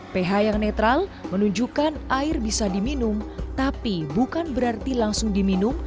ph yang netral menunjukkan air bisa diminum tapi bukan berarti langsung diminum